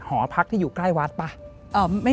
หอพักที่อยู่ใกล้วัดป่ะ